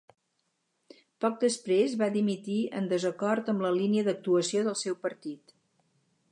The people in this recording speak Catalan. Poc després va dimitir en desacord amb la línia d'actuació del seu partit.